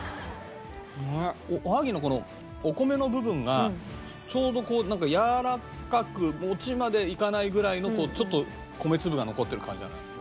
おはぎのこのお米の部分がちょうどこうなんかやわらかく餅までいかないぐらいのちょっと米粒が残ってる感じなのよ。